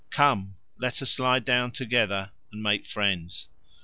Come, let us lie down together and make friends.